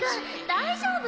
大丈夫！？